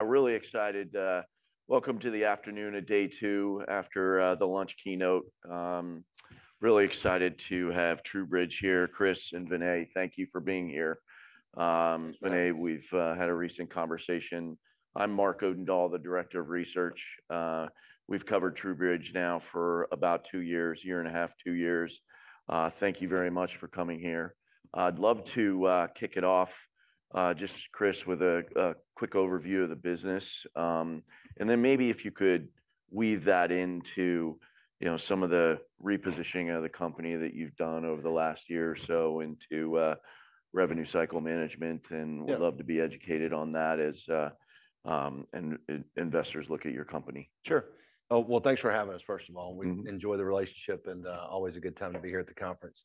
Really excited. Welcome to the afternoon at day two after the lunch keynote. Really excited to have TruBridge here. Chris and Vinay, thank you for being here. Vinay, we've had a recent conversation. I'm Mark Odendahl, the Director of Research. We've covered TruBridge now for about two years, year and a half, two years. Thank you very much for coming here. I'd love to kick it off, just Chris, with a quick overview of the business. And then maybe if you could weave that into some of the repositioning of the company that you've done over the last year or so into revenue cycle management. And we'd love to be educated on that as investors look at your company. Sure. Thanks for having us, first of all. We enjoy the relationship, and always a good time to be here at the conference.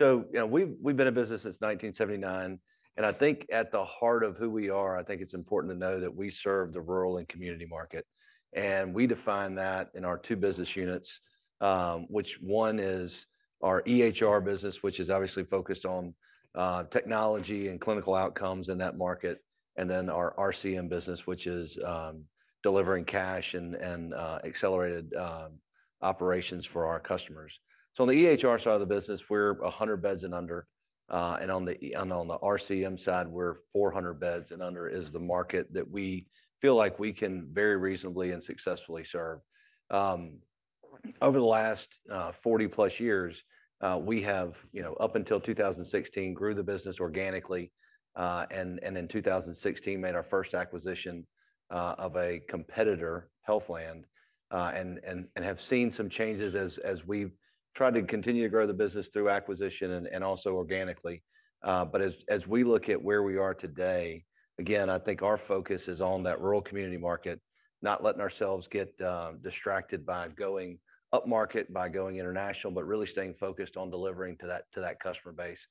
We have been in business since 1979. I think at the heart of who we are, I think it's important to know that we serve the rural and community market. We define that in our two business units, which one is our EHR business, which is obviously focused on technology and clinical outcomes in that market, and then our RCM business, which is delivering cash and accelerated operations for our customers. On the EHR side of the business, we're 100 beds and under. On the RCM side, we're 400 beds and under is the market that we feel like we can very reasonably and successfully serve. Over the last 40-plus years, we have, up until 2016, grown the business organically. In 2016, made our first acquisition of a competitor, Healthland, and have seen some changes as we've tried to continue to grow the business through acquisition and also organically. As we look at where we are today, again, I think our focus is on that rural community market, not letting ourselves get distracted by going upmarket, by going international, but really staying focused on delivering to that customer base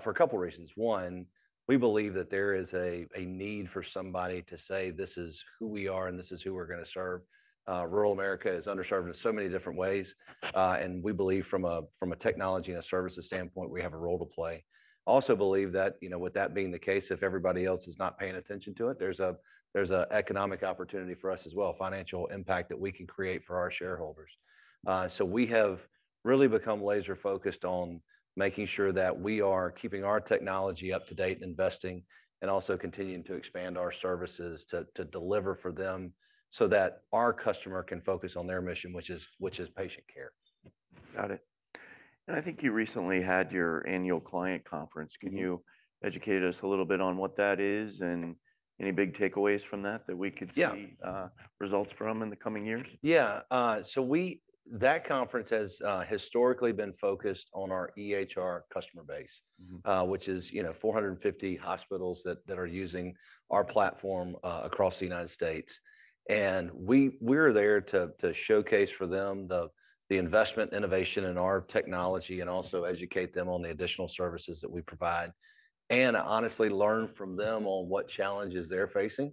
for a couple of reasons. One, we believe that there is a need for somebody to say, "This is who we are, and this is who we're going to serve." Rural America is underserved in so many different ways. We believe from a technology and a services standpoint, we have a role to play. Also believe that with that being the case, if everybody else is not paying attention to it, there's an economic opportunity for us as well, financial impact that we can create for our shareholders. We have really become laser-focused on making sure that we are keeping our technology up to date and investing, and also continuing to expand our services to deliver for them so that our customer can focus on their mission, which is patient care. Got it. I think you recently had your annual client conference. Can you educate us a little bit on what that is and any big takeaways from that that we could see results from in the coming years? Yeah. That conference has historically been focused on our EHR customer base, which is 450 hospitals that are using our platform across the United States. We are there to showcase for them the investment innovation in our technology and also educate them on the additional services that we provide. Honestly, learn from them on what challenges they are facing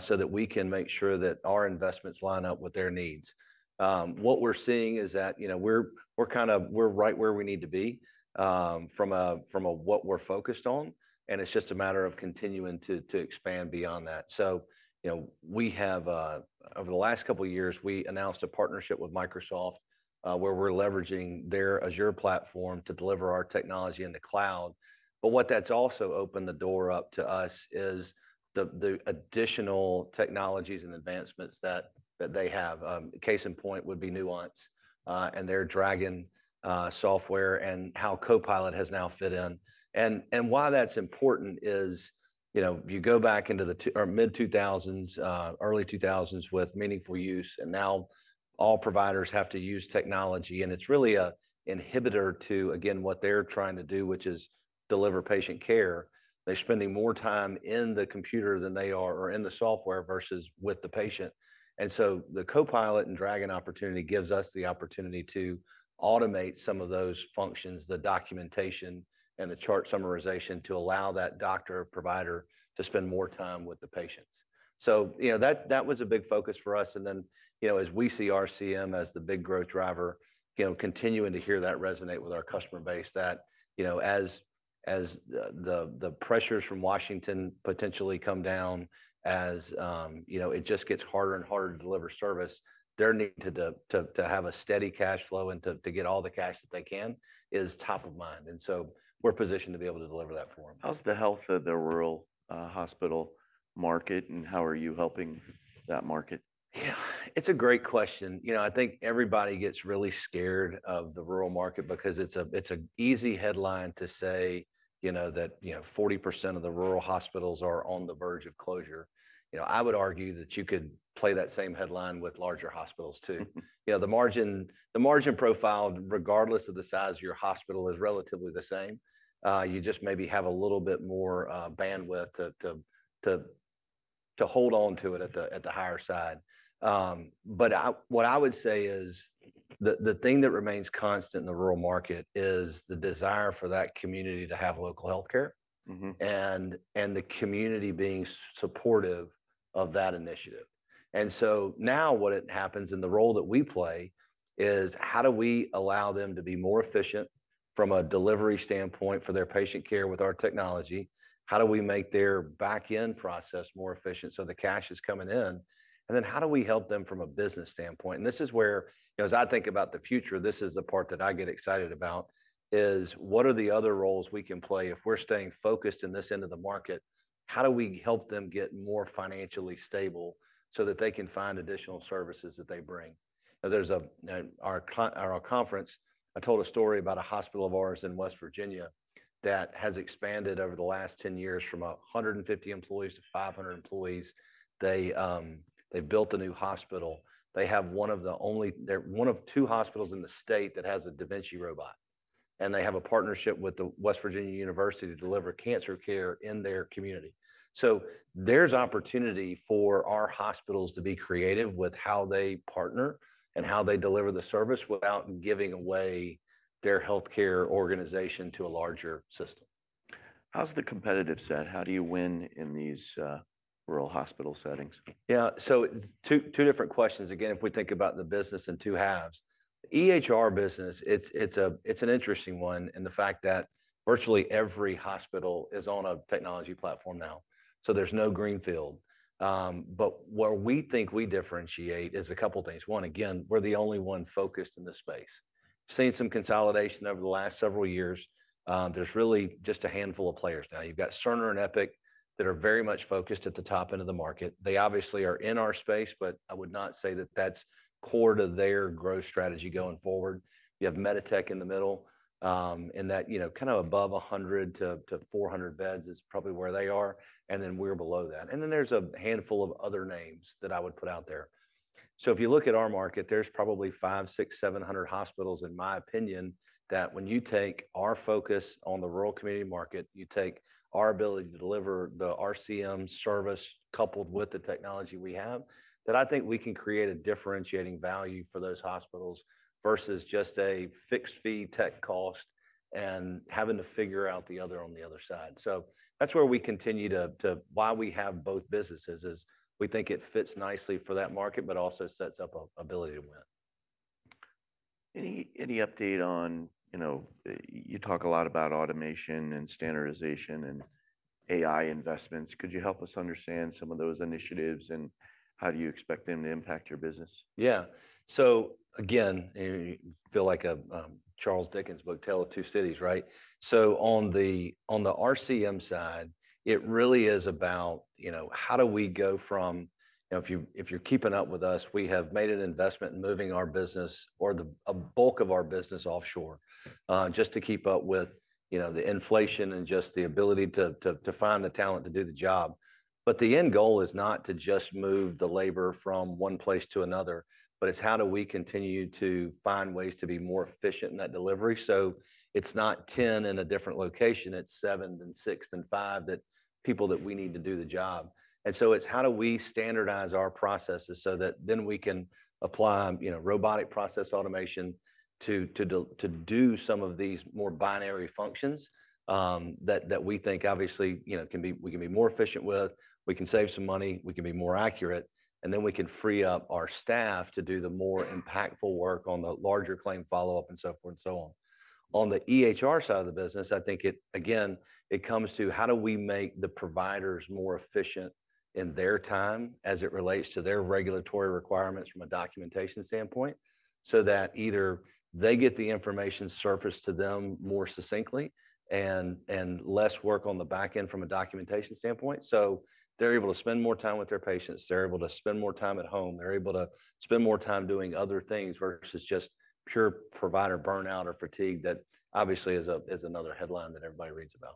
so that we can make sure that our investments line up with their needs. What we are seeing is that we are kind of right where we need to be from what we are focused on. It is just a matter of continuing to expand beyond that. Over the last couple of years, we announced a partnership with Microsoft where we are leveraging their Azure platform to deliver our technology in the cloud. What that has also opened the door up to us is the additional technologies and advancements that they have. Case in point would be Nuance and their Dragon software and how Copilot has now fit in. Why that's important is you go back into the mid-2000s, early 2000s with meaningful use. Now all providers have to use technology. It's really an inhibitor to, again, what they're trying to do, which is deliver patient care. They're spending more time in the computer than they are or in the software versus with the patient. The Copilot and Dragon opportunity gives us the opportunity to automate some of those functions, the documentation and the chart summarization to allow that doctor or provider to spend more time with the patients. That was a big focus for us. As we see RCM as the big growth driver, continuing to hear that resonate with our customer base, that as the pressures from Washington potentially come down, as it just gets harder and harder to deliver service, their need to have a steady cash flow and to get all the cash that they can is top of mind. We are positioned to be able to deliver that for them. How's the health of the rural hospital market, and how are you helping that market? Yeah. It's a great question. I think everybody gets really scared of the rural market because it's an easy headline to say that 40% of the rural hospitals are on the verge of closure. I would argue that you could play that same headline with larger hospitals too. The margin profile, regardless of the size of your hospital, is relatively the same. You just maybe have a little bit more bandwidth to hold on to it at the higher side. What I would say is the thing that remains constant in the rural market is the desire for that community to have local healthcare and the community being supportive of that initiative. Now what happens in the role that we play is how do we allow them to be more efficient from a delivery standpoint for their patient care with our technology? How do we make their back-end process more efficient so the cash is coming in? How do we help them from a business standpoint? This is where, as I think about the future, this is the part that I get excited about, is what are the other roles we can play if we're staying focused in this end of the market? How do we help them get more financially stable so that they can find additional services that they bring? At our conference, I told a story about a hospital of ours in West Virginia that has expanded over the last 10 years from 150 employees to 500 employees. They've built a new hospital. They have one of the only, one of two hospitals in the state that has a da Vinci robot. They have a partnership with the West Virginia University to deliver cancer care in their community. So there's opportunity for our hospitals to be creative with how they partner and how they deliver the service without giving away their healthcare organization to a larger system. How's the competitive set? How do you win in these rural hospital settings? Yeah. Two different questions. Again, if we think about the business in two halves, the EHR business, it's an interesting one in the fact that virtually every hospital is on a technology platform now. There's no greenfield. Where we think we differentiate is a couple of things. One, again, we're the only one focused in this space. We've seen some consolidation over the last several years. There's really just a handful of players now. You've got Cerner and Epic that are very much focused at the top end of the market. They obviously are in our space, but I would not say that that's core to their growth strategy going forward. You have Meditech in the middle. That kind of above 100-400 beds is probably where they are. We're below that. There is a handful of other names that I would put out there. If you look at our market, there are probably 500, 600, 700 hospitals, in my opinion, that when you take our focus on the rural community market, you take our ability to deliver the RCM service coupled with the technology we have, I think we can create a differentiating value for those hospitals versus just a fixed fee tech cost and having to figure out the other on the other side. That is where we continue to, why we have both businesses is we think it fits nicely for that market, but also sets up an ability to win. Any update on, you talk a lot about automation and standardization and AI investments. Could you help us understand some of those initiatives and how do you expect them to impact your business? Yeah. So again, I feel like a Charles Dickens book, Tale of Two Cities, right? On the RCM side, it really is about how do we go from, if you're keeping up with us, we have made an investment in moving our business or a bulk of our business offshore just to keep up with the inflation and just the ability to find the talent to do the job. The end goal is not to just move the labor from one place to another, but it's how do we continue to find ways to be more efficient in that delivery. It's not 10 in a different location. It's 7, then 6, then 5, people that we need to do the job. It is how do we standardize our processes so that then we can apply robotic process automation to do some of these more binary functions that we think obviously we can be more efficient with. We can save some money. We can be more accurate. We can free up our staff to do the more impactful work on the larger claim follow-up and so forth and so on. On the EHR side of the business, I think it, again, it comes to how do we make the providers more efficient in their time as it relates to their regulatory requirements from a documentation standpoint so that either they get the information surfaced to them more succinctly and less work on the back end from a documentation standpoint. They are able to spend more time with their patients. They are able to spend more time at home. They're able to spend more time doing other things versus just pure provider burnout or fatigue. That obviously is another headline that everybody reads about.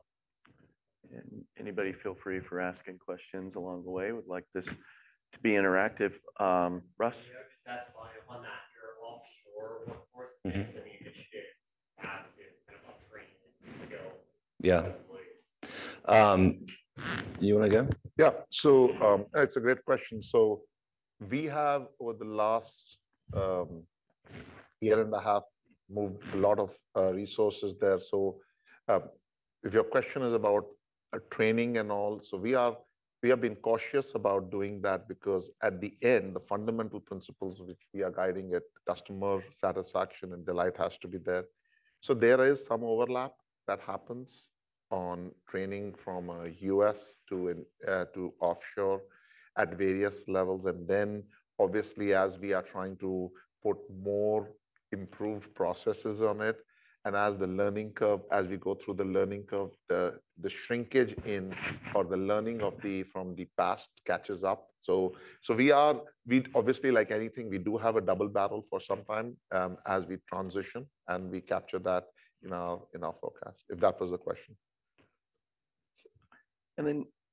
Anybody feel free for asking questions along the way. We'd like this to be interactive. Russ? Yeah. You want to go? Yeah. It's a great question. We have, over the last year and a half, moved a lot of resources there. If your question is about training and all, we have been cautious about doing that because at the end, the fundamental principles which are guiding at customer satisfaction and delight have to be there. There is some overlap that happens on training from US to offshore at various levels. Obviously, as we are trying to put more improved processes on it, and as we go through the learning curve, the shrinkage in or the learning from the past catches up. We obviously, like anything, do have a double battle for some time as we transition, and we capture that in our forecast, if that was the question.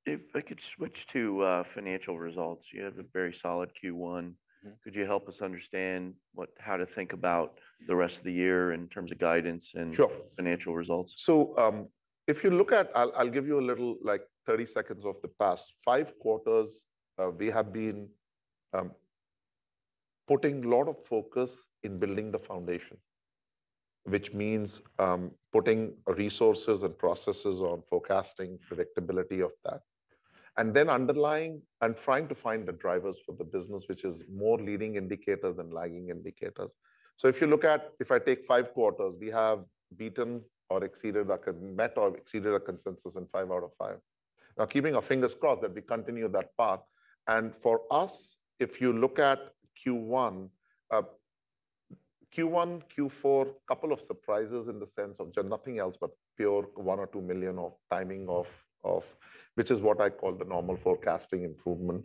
If I could switch to financial results. You have a very solid Q1. Could you help us understand how to think about the rest of the year in terms of guidance and financial results? Sure. If you look at, I'll give you a little like 30 seconds of the past. Five Quarters, we have been putting a lot of focus in building the foundation, which means putting resources and processes on forecasting predictability of that. Then underlying and trying to find the drivers for the business, which is more leading indicators than lagging indicators. If you look at, if I take five Quarters, we have beaten or exceeded consensus in five out of five. Now, keeping our fingers crossed that we continue that path. For us, if you look at Q1, Q1, Q4, a couple of surprises in the sense of just nothing else but pure one or two million of timing, which is what I call the normal forecasting improvement.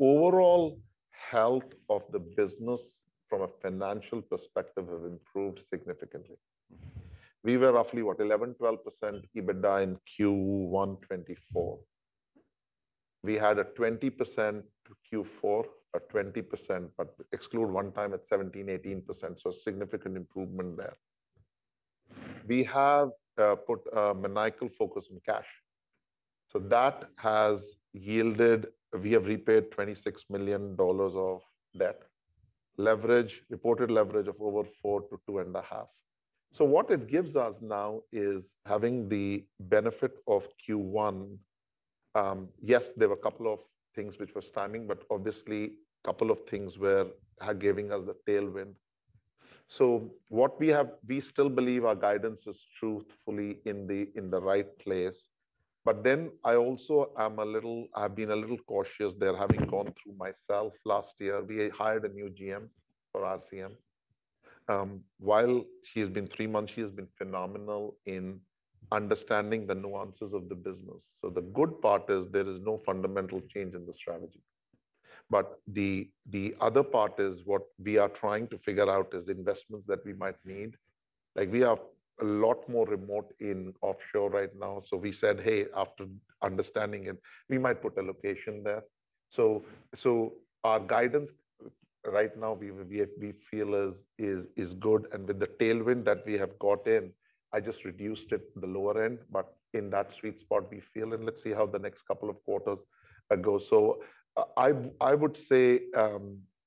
Overall health of the business from a financial perspective has improved significantly. We were roughly what, 11%, 12% EBITDA in Q1, 2024. We had a 20% Q4, a 20%, but exclude one time at 17%, 18%. Significant improvement there. We have put a maniacal focus on cash. That has yielded, we have repaid $26 million of debt, reported leverage of over four to two and a half. What it gives us now is having the benefit of Q1. Yes, there were a couple of things which were stymie, but obviously, a couple of things were giving us the tailwind. What we have, we still believe our guidance is truthfully in the right place. I also am a little, I've been a little cautious there having gone through myself last year. We hired a new GM for RCM. While she's been three months, she has been phenomenal in understanding the nuances of the business. The good part is there is no fundamental change in the strategy. The other part is what we are trying to figure out is the investments that we might need. We are a lot more remote and offshore right now. We said, hey, after understanding it, we might put a location there. Our guidance right now, we feel, is good. With the tailwind that we have got in, I just reduced it to the lower end, but in that sweet spot we feel, and let's see how the next couple of Quarters go. I would say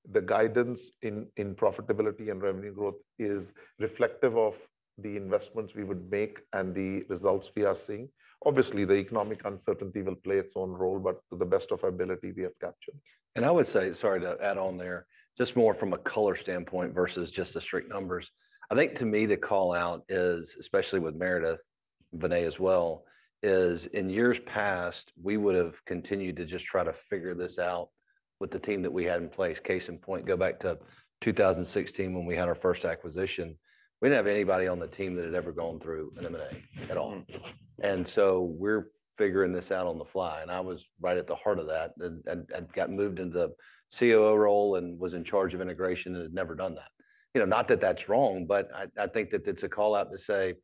the guidance in profitability and revenue growth is reflective of the investments we would make and the results we are seeing. Obviously, the economic uncertainty will play its own role, but to the best of our ability, we have captured. I would say, sorry to add on there, just more from a color standpoint versus just the straight numbers. I think to me, the call out is, especially with Meredith, Vinay as well, is in years past, we would have continued to just try to figure this out with the team that we had in place. Case in point, go back to 2016 when we had our first acquisition. We did not have anybody on the team that had ever gone through an M&A at all. We were figuring this out on the fly. I was right at the heart of that. I got moved into the COO role and was in charge of integration and had never done that. Not that that's wrong, but I think that it's a call out to say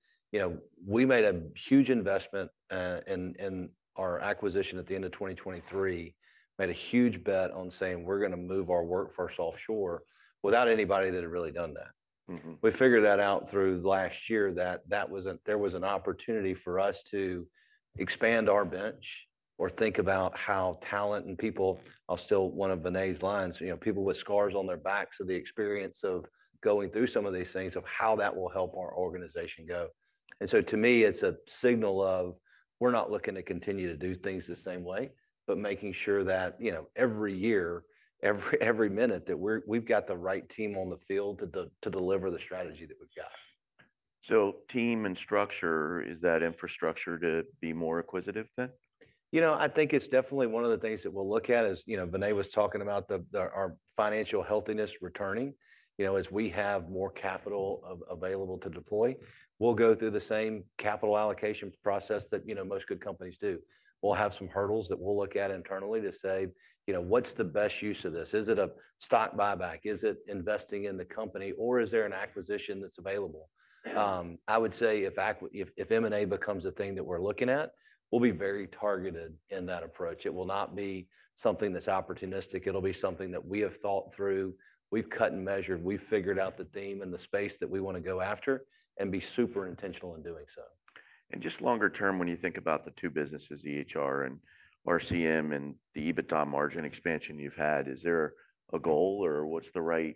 we made a huge investment in our acquisition at the end of 2023, made a huge bet on saying, we're going to move our workforce offshore without anybody that had really done that. We figured that out through last year that there was an opportunity for us to expand our bench or think about how talent and people, I'll steal one of Vinay's lines, people with scars on their backs of the experience of going through some of these things of how that will help our organization go. To me, it's a signal of we're not looking to continue to do things the same way, but making sure that every year, every minute that we've got the right team on the field to deliver the strategy that we've got. Team and structure, is that infrastructure to be more acquisitive then? You know, I think it's definitely one of the things that we'll look at as Vinay was talking about our financial healthiness returning. As we have more capital available to deploy, we'll go through the same capital allocation process that most good companies do. We'll have some hurdles that we'll look at internally to say, what's the best use of this? Is it a stock buyback? Is it investing in the company? Or is there an acquisition that's available? I would say if M&A becomes a thing that we're looking at, we'll be very targeted in that approach. It will not be something that's opportunistic. It'll be something that we have thought through. We've cut and measured. We've figured out the theme and the space that we want to go after and be super intentional in doing so. Just longer term, when you think about the two businesses, EHR and RCM and the EBITDA margin expansion you've had, is there a goal or what's the right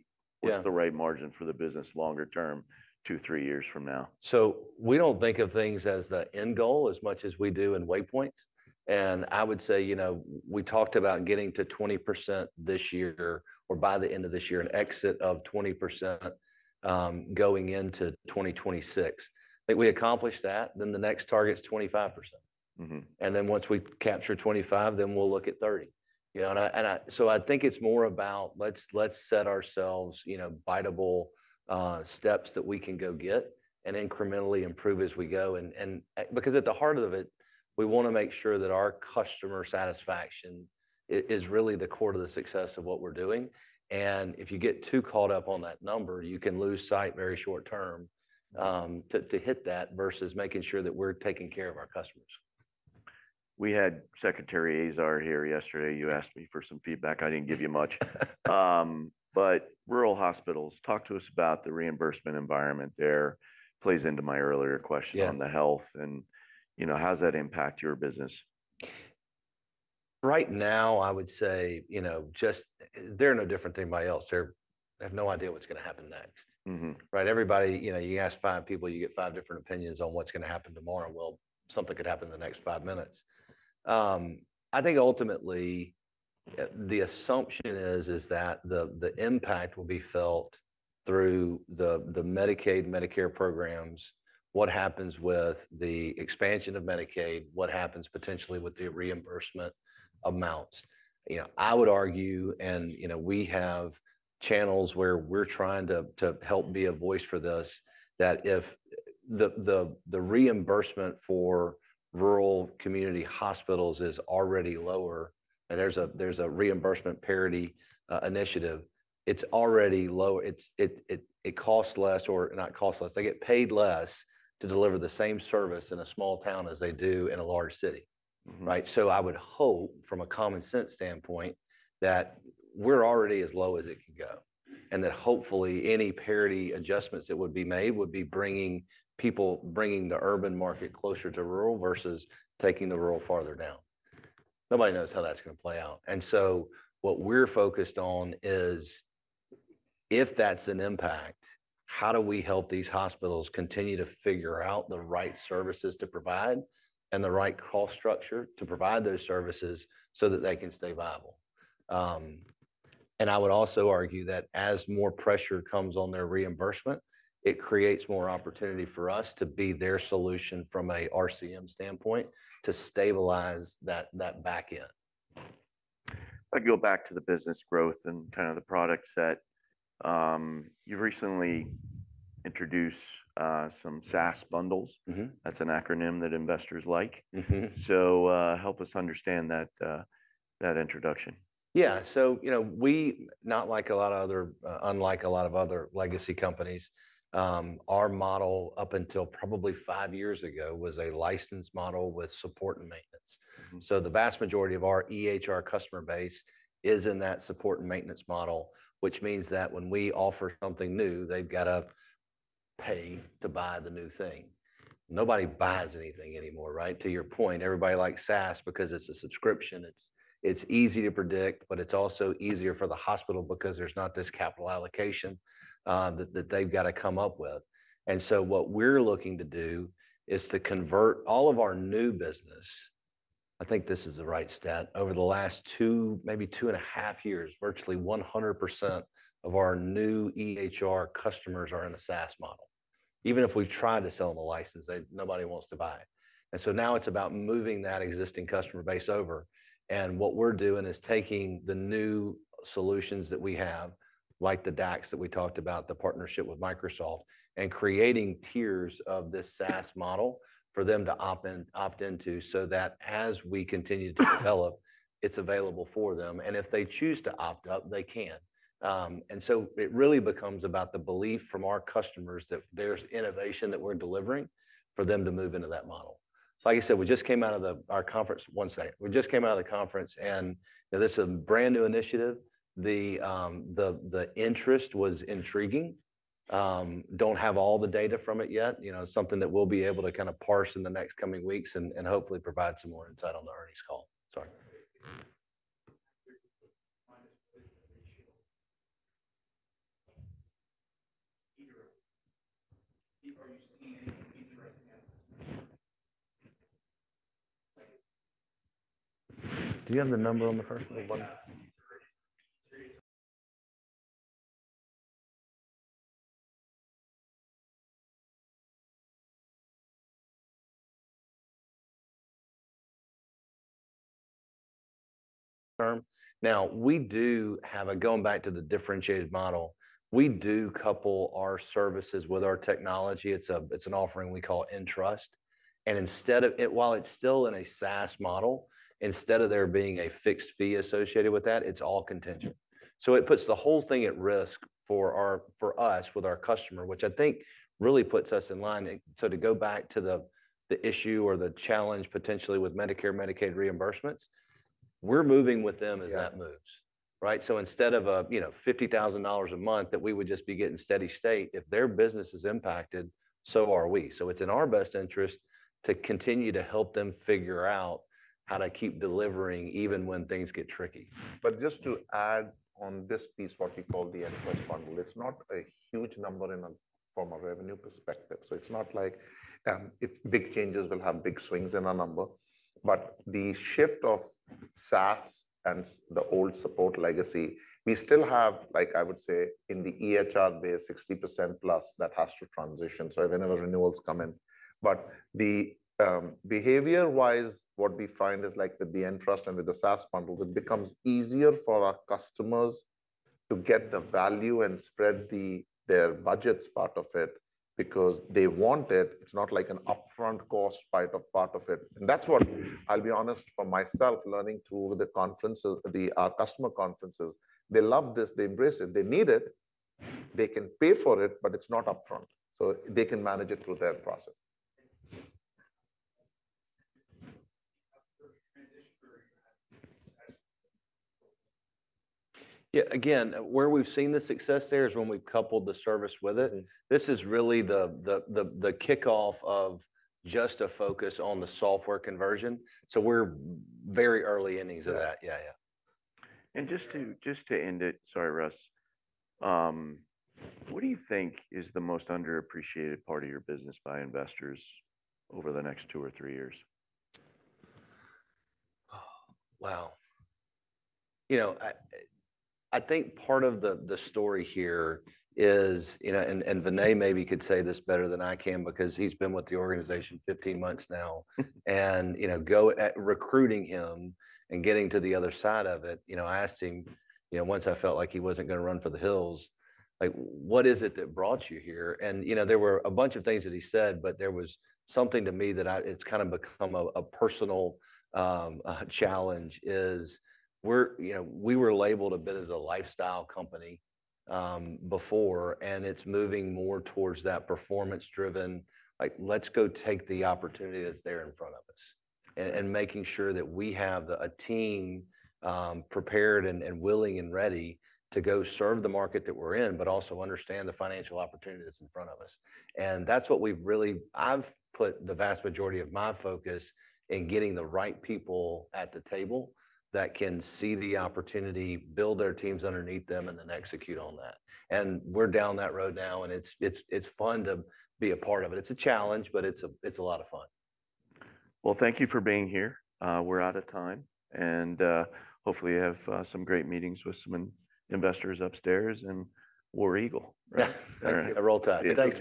margin for the business longer term, two, three years from now? We do not think of things as the end goal as much as we do in waypoints. I would say we talked about getting to 20% this year or by the end of this year, an exit of 20% going into 2026. I think we accomplished that. The next target is 25%. Once we capture 25%, then we will look at 30%. I think it is more about setting ourselves biteable steps that we can go get and incrementally improve as we go. At the heart of it, we want to make sure that our customer satisfaction is really the core to the success of what we are doing. If you get too caught up on that number, you can lose sight very short term to hit that versus making sure that we are taking care of our customers. We had Secretary Azar here yesterday. You asked me for some feedback. I did not give you much. Rural hospitals, talk to us about the reimbursement environment there. Plays into my earlier question on the health. How does that impact your business? Right now, I would say just they're no different than anybody else. They have no idea what's going to happen next. Everybody, you ask five people, you get five different opinions on what's going to happen tomorrow. Something could happen in the next five minutes. I think ultimately, the assumption is that the impact will be felt through the Medicaid, Medicare programs, what happens with the expansion of Medicaid, what happens potentially with the reimbursement amounts. I would argue, and we have channels where we're trying to help be a voice for this, that if the reimbursement for rural community hospitals is already lower and there's a reimbursement parity initiative, it's already lower. It costs less or not costs less. They get paid less to deliver the same service in a small town as they do in a large city. I would hope from a common sense standpoint that we're already as low as it can go and that hopefully any parity adjustments that would be made would be bringing people, bringing the urban market closer to rural versus taking the rural farther down. Nobody knows how that's going to play out. What we're focused on is if that's an impact, how do we help these hospitals continue to figure out the right services to provide and the right cost structure to provide those services so that they can stay viable. I would also argue that as more pressure comes on their reimbursement, it creates more opportunity for us to be their solution from an RCM standpoint to stabilize that back end. I go back to the business growth and kind of the product set. You've recently introduced some SaaS bundles. That's an acronym that investors like. Help us understand that introduction. Yeah. So we, not like a lot of other, unlike a lot of other legacy companies, our model up until probably five years ago was a licensed model with support and maintenance. So the vast majority of our EHR customer base is in that support and maintenance model, which means that when we offer something new, they've got to pay to buy the new thing. Nobody buys anything anymore, right? To your point, everybody likes SaaS because it's a subscription. It's easy to predict, but it's also easier for the hospital because there's not this capital allocation that they've got to come up with. What we're looking to do is to convert all of our new business. I think this is the right stat. Over the last two, maybe two and a half years, virtually 100% of our new EHR customers are in the SaaS model. Even if we've tried to sell them a license, nobody wants to buy it. Now it's about moving that existing customer base over. What we're doing is taking the new solutions that we have, like the DAX that we talked about, the partnership with Microsoft, and creating tiers of this SaaS model for them to opt into so that as we continue to develop, it's available for them. If they choose to opt up, they can. It really becomes about the belief from our customers that there's innovation that we're delivering for them to move into that model. Like I said, we just came out of our conference. One second. We just came out of the conference, and this is a brand new initiative. The interest was intriguing. Don't have all the data from it yet. It's something that we'll be able to kind of parse in the next coming weeks and hopefully provide some more insight on the earnings call. Sorry. Do you have the number on the first one? [audtio distrotion] [audtio distortion] Term. Now, we do have a going back to the differentiated model. We do couple our services with our technology. It's an offering we call Entrust. And while it's still in a SaaS model, instead of there being a fixed fee associated with that, it's all contingent. It puts the whole thing at risk for us with our customer, which I think really puts us in line. To go back to the issue or the challenge potentially with Medicare, Medicaid reimbursements, we're moving with them as that moves. Instead of $50,000 a month that we would just be getting steady state, if their business is impacted, so are we. It's in our best interest to continue to help them figure out how to keep delivering even when things get tricky. Just to add on this piece, what we call the Entrust bundle, it's not a huge number from a revenue perspective. It's not like big changes will have big swings in our number. The shift of SaaS and the old support legacy, we still have, I would say, in the EHR base, 60% plus that has to transition. Whenever renewals come in. Behavior-wise, what we find is like with the Entrust and with the SaaS bundles, it becomes easier for our customers to get the value and spread their budgets part of it because they want it. It's not like an upfront cost part of it. I'll be honest for myself, learning through the customer conferences. They love this. They embrace it. They need it. They can pay for it, but it's not upfront. They can manage it through their process. Yeah. Again, where we've seen the success there is when we've coupled the service with it. This is really the kickoff of just a focus on the software conversion. So we're very early innings of that. Yeah, yeah. Just to end it, sorry, Russ, what do you think is the most underappreciated part of your business by investors over the next two or three years? Wow. I think part of the story here is, and Vinay maybe could say this better than I can because he's been with the organization 15 months now. Recruiting him and getting to the other side of it, I asked him once I felt like he wasn't going to run for the hills, what is it that brought you here? There were a bunch of things that he said, but there was something to me that it's kind of become a personal challenge is we were labeled a bit as a lifestyle company before, and it's moving more towards that performance-driven, let's go take the opportunity that's there in front of us and making sure that we have a team prepared and willing and ready to go serve the market that we're in, but also understand the financial opportunity that's in front of us. That's what we've really, I've put the vast majority of my focus in getting the right people at the table that can see the opportunity, build their teams underneath them, and then execute on that. We're down that road now, and it's fun to be a part of it. It's a challenge, but it's a lot of fun. Thank you for being here. We're out of time. Hopefully you have some great meetings with some investors upstairs and War Eagle. Yeah. I roll Tide.